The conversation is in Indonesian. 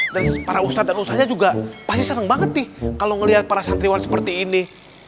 dan para ustadz dan ustaznya juga pasti seneng banget nih kalau ngelihat para santriwan seperti ini